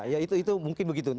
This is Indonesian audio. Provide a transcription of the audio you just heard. ya itu mungkin begitu